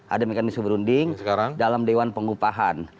ada mekanisme berunding dalam dewan pengupahan